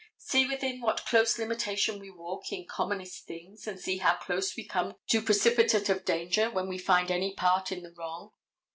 See within what close limitation we walk in commonest things and see how close we come to precipitate of danger when we find any part in the wrong.